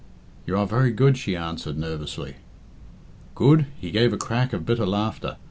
"You are very good," she answered nervously. "Good?" He gave a crack of bitter laughter.